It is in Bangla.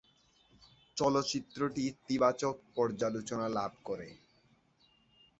চলচ্চিত্রটি ইতিবাচক পর্যালোচনা লাভ করে।